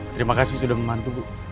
terima kasih sudah membantu